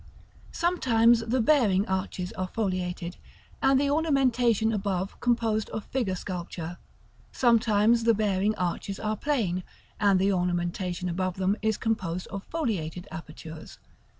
Sometimes the bearing arches are foliated, and the ornamentation above composed of figure sculpture; sometimes the bearing arches are plain, and the ornamentation above them is composed of foliated apertures.